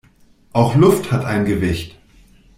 Auch Luft hat ein Gewicht.